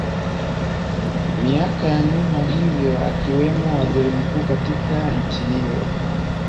miaka ya nyuma hivyo akiwemo waziri mkuu katika nchi hiyo